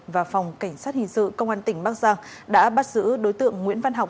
và phòng cảnh sát hình sự công an tỉnh bắc giang đã bắt giữ đối tượng nguyễn văn học